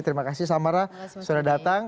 terima kasih samara sudah datang